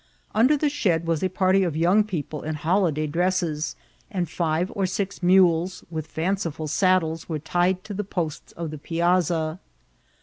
Under the shed was a party of young peq[>le in holyday dresses, and five <»r six mules, with £Euiciful saddles, were tied to the posts of the piaasa.